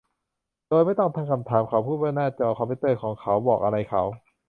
โดยไม่ต้องตั้งคำถามเขาพูดว่าหน้าจอคอมพิวเตอร์ของเขาบอกอะไรเขา